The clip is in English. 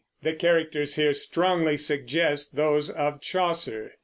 The characters here strongly suggest those of Chaucer.